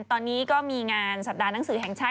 ตอนนี้ก็มีงานสัปดาห์หนังสือแห่งชาติ